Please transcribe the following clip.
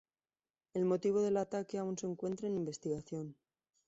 El motivo del ataque aún se encuentra en investigación.